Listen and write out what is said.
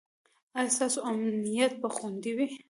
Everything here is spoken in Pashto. ایا ستاسو امنیت به خوندي وي؟